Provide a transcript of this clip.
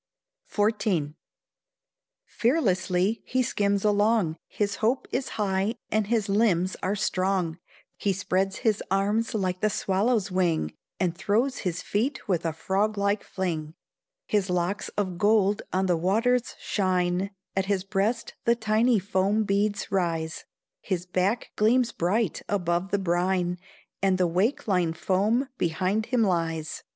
XIV. Fearlessly he skims along, His hope is high, and his limbs are strong, He spreads his arms like the swallow's wing, And throws his feet with a frog like fling; His locks of gold on the waters shine, At his breast the tiny foam beads rise, His back gleams bright above the brine, And the wake line foam behind him lies.